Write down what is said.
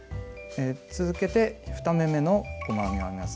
続けて２目めの細編みを編みます。